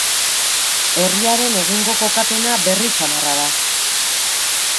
Herriaren egungo kokapena berri samarra da.